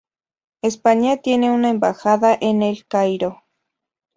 España tiene una embajada en El Cairo.